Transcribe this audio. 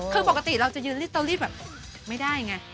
คือปกติเราจะยืนลิตเตอรี่แบบไม่ได้ไง